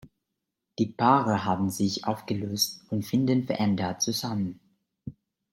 Die Paare haben sich aufgelöst und finden verändert zusammen.